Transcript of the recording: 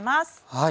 はい。